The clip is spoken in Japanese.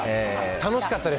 楽しかったです。